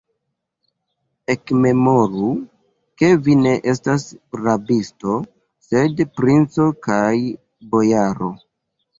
Ekmemoru, ke vi ne estas rabisto, sed princo kaj bojaro!